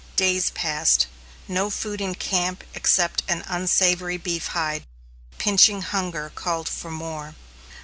Days passed. No food in camp except an unsavory beef hide pinching hunger called for more.